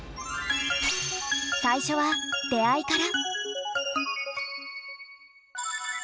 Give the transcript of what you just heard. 最初は出会いから。